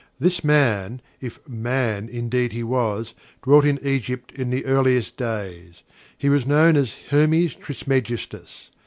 This man, if "man" indeed he was, dwelt in Egypt in the earliest days. He was known as Hermes Trismegistus.